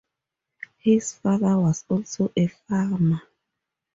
His father was also a farmer.